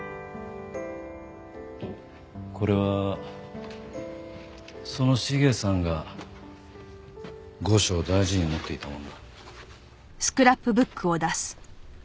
これはその茂さんが後生大事に持っていたものだ。